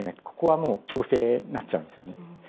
ここはもう強制になっちゃうんですよね。